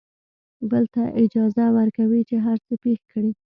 بل ته اجازه ورکوي چې هر څه پېښ کړي.